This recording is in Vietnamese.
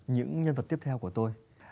những nhân vật tiếp theo của tôi